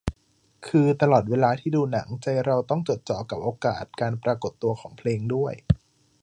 คือตลอดเวลาที่ดูหนังใจเราต้องจดจ่อกับโอกาสการปรากฏตัวของเพลงด้วย